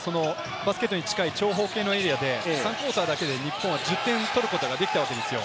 あとはバスケットに近い長方形のエリアで３クオーターだけで日本は１０点取ることができたわけですよ。